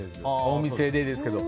お店でですけど。